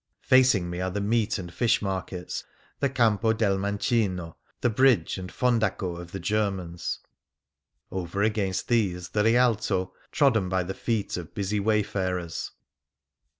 Facing me are the meat and fish markets, the Campo del Mancino, the Bridge and Fondaco of the Germans ; over against these the Rialto, trodden by the feet of busy wayfarers.'